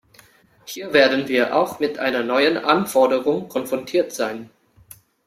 Hier werden wir auch mit einer neuen Anforderung konfrontiert sein.